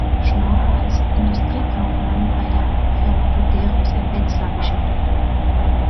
Schnorr war als Industriekaufmann bei der Firma Buderus in Wetzlar beschäftigt.